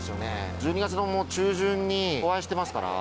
１２月のもう中旬にお会いしてますから。